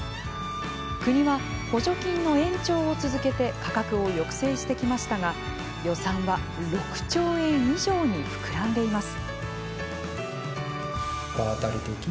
国は、補助金の延長を続けて価格を抑制してきましたが予算は６兆円以上に膨らんでいます。